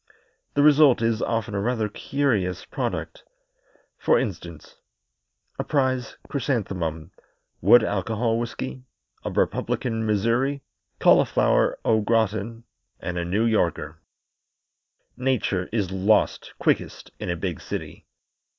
The result is often a rather curious product for instance: A prize chrysanthemum, wood alcohol whiskey, a Republican Missouri, cauliflower au gratin, and a New Yorker. Nature is lost quickest in a big city.